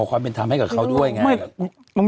ขอเป็นทำให้กับเขาการ